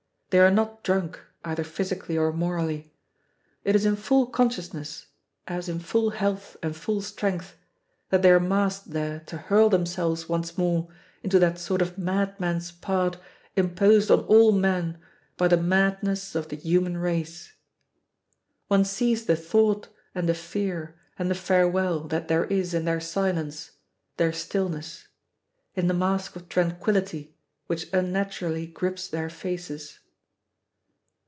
They are not drunk, either physically or morally. It is in full consciousness, as in full health and full strength, that they are massed there to hurl themselves once more into that sort of madman's part imposed on all men by the madness of the human race. One sees the thought and the fear and the farewell that there is in their silence, their stillness, in the mask of tranquillity which unnaturally grips their faces.